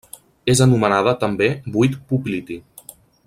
És anomenada també buit popliti.